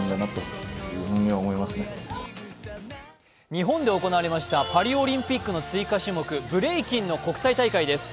日本で行われましたパリオリンピックの追加種目、ブレイキンの国際大会です。